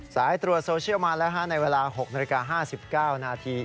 สายตรวจโซเชียลมาแล้วในเวลา๖นาฬิกา๕๙นาที